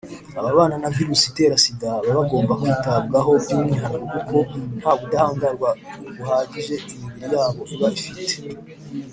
ababana na virusi itera sida babagomba kwitabwaho byumwihariko kuko ntabudahangarwa buhagije imibiri yabo iba ifite.